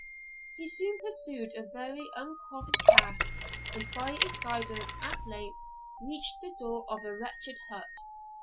He soon pursued a very uncouth path; and by its guidance at length reached the door of a wretched hut.